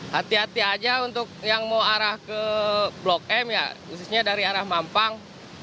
hati hati aja untuk yang mau arah ke blok m ya khususnya dari arah mampang